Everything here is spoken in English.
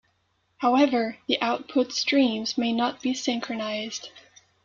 However, the output streams may not be synchronized.